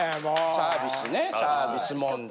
サービスねサービス問題。